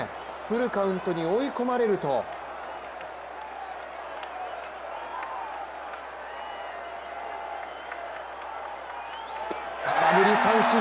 フルカウントに追い込まれると空振り三振。